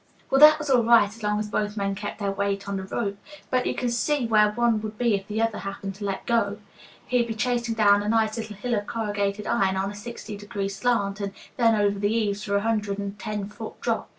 "Well, that was all right as long as both men kept their weight on the rope, but you can see where one would be if the other happened to let go. He'd be chasing down a nice little hill of corrugated iron on a sixty degree slant, and then over the eaves for a hundred and ten foot drop.